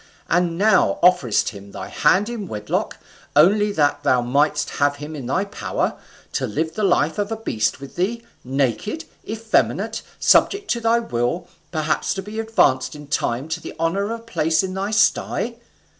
and now offerest him thy hand in wedlock, only that thou mightest have him in thy power, to live the life of a beast with thee, naked, effeminate, subject to thy will, perhaps to be advanced in time to the honour of a place in thy sty.